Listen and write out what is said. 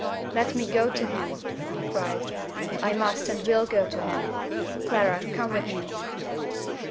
"Let me go to him!" he cried. "I must and will go to him! Clara, come with me."